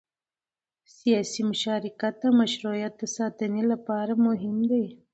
سیاسي مشارکت د مشروعیت د ساتنې لپاره مهم دی